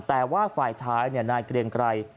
แต่ว่าฝ่ายชายนายเกรียงไกร